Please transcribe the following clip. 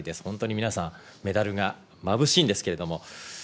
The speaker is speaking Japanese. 本当に皆さん、メダルがまぶしいんですけれども。